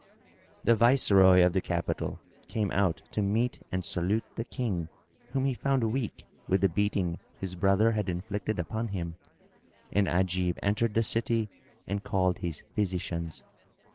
The Viceroy of the capital came out to meet and salute the King, whom he found weak with the beating his brother had inflicted upon him; and Ajib entered the city and called his physicians.